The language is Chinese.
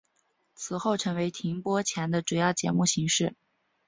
此后成为停播前的主要节目形式。